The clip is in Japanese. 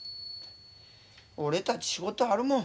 俺たち仕事あるもん。